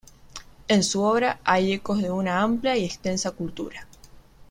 En su obra hay ecos de una amplia y extensa cultura.